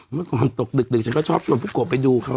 เมื่อก่อนตกดึกฉันก็ชอบชวนผู้โกะไปดูเขา